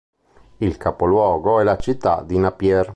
Il capoluogo è la città di Napier.